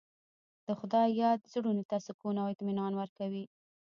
د خدای یاد زړونو ته سکون او اطمینان ورکوي.